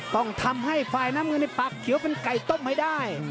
ต้องทำให้ฝ่ายน้ำเงินในปากเขียวเป็นไก่ต้มให้ได้